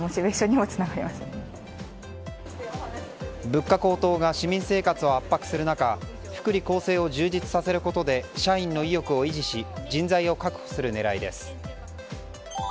物価高騰が市民生活を圧迫する中福利厚生を充実させることで社員の意欲を維持し人材を確保する狙いです。